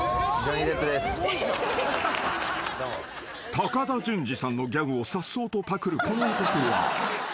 ［高田純次さんのギャグをさっそうとパクるこの男は］